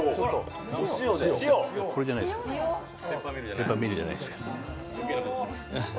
ペッパーミルじゃないですよ。